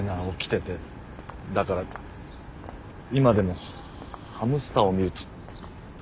だから今でもハムスターを見ると。